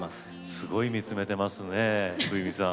すごい見つめてますね冬美さん。